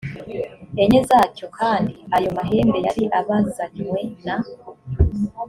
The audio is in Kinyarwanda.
enye zacyo kandi ayo mahembe yari abazanywe na